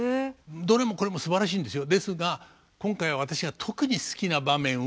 どれもこれもすばらしいんですよ。